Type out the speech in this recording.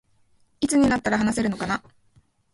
いつになったら話せるのかな